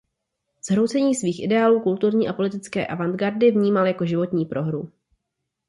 Zhroucení svých ideálů kulturní a politické avantgardy vnímal jako životní prohru.